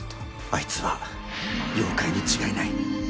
あいつは妖怪に違いない。